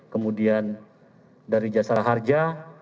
kemudian dari jasa harja